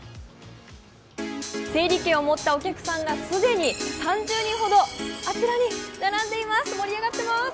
整理券を持ったお客さんが既に３０人ほどあちらに並んでいます。